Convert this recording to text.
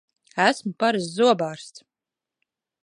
Esmu parasts zobārsts!